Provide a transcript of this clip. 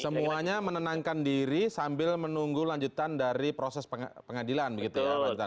semuanya menenangkan diri sambil menunggu lanjutan dari proses pengadilan begitu ya pak ustadz